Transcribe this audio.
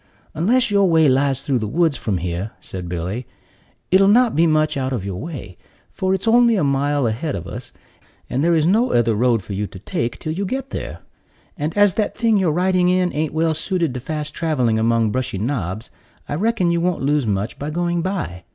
"Unless your way lies through the woods from here," said Billy, "it'll not be much out of your way; for it's only a mile ahead of us, and there is no other road for you to take till you get there; and as that thing you're riding in ain't well suited to fast traveling among brushy knobs, I reckon you won't lose much by going by.